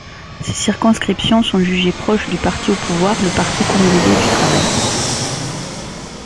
Ces circonscriptions sont jugées proches du parti au pouvoir, le Parti congolais du travail.